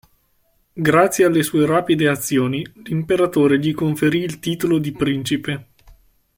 Grazie alle sue rapide azioni, l'imperatore gli conferì il titolo di principe.